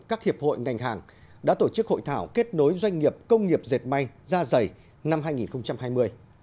các hiệp hội ngành hàng đã tổ chức hội thảo kết nối doanh nghiệp công nghiệp dệt may da dày năm hai nghìn hai mươi